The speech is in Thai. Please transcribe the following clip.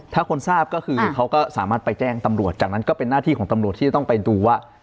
ถ้าคนทราบก็คือเขาก็สามารถไปแจ้งตำรวจจากนั้นก็เป็นหน้าที่ของตำรวจที่จะต้องไปดูว่า